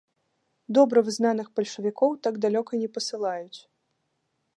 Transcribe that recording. Добра вызнаных бальшавікоў так далёка не пасылаюць.